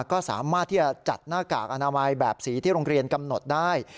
ก็สามารถที่จะจัดหน้ากากอนามัยแบบสีที่โรงเรียนกำหนดได้